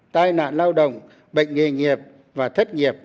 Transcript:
tai nạn lao động bệnh nghề nghiệp và thất nghiệp v v